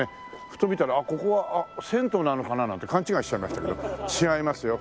ふと見たらあっここは銭湯なのかななんて勘違いしちゃいましたけど違いますよ。